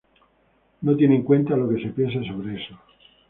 No tiene en cuenta lo que se piensa sobre eso